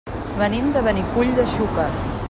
Venim de Benicull de Xúquer.